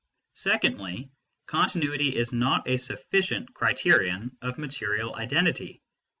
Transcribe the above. Secondly, continuity is not a sufficient criterion of material identity.